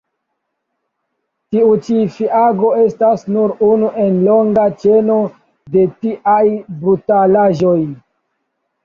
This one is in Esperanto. Tiu ĉi fiago estas nur unu en longa ĉeno de tiaj brutalaĵoj.